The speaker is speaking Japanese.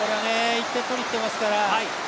１点取りにいってますから。